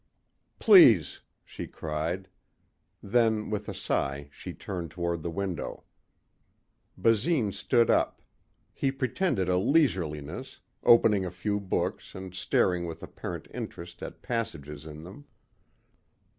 "Please," she cried. Then with a sigh she turned toward the window. Basine stood up. He pretended a leisureliness, opening a few books and staring with apparent interest at passages in them.